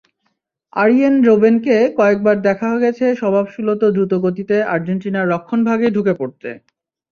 আরিয়েন রোবেনকে কয়েকবার দেখা গেছে স্বভাবসুলভ দ্রুতগতিতে আর্জেন্টিনার রক্ষণভাগে ঢুকে পড়তে।